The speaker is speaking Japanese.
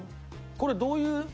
これ、どういう？